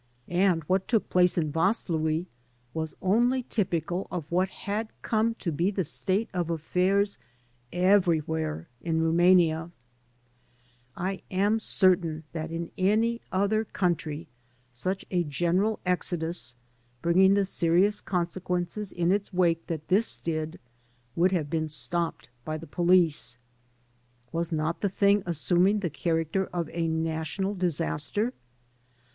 And what took place in Vaslui was only typical of what had come to be the state of affairs every whei*e in Rumania^ I am certain that in any other country such a general exodus, bringing the serious consequences in its wake that this did, would have been stopped by the police. Was not the thing assimiing the character of a national disaster?